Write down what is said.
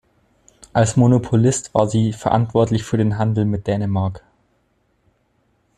Als Monopolist war sie verantwortlich für den Handel mit Dänemark.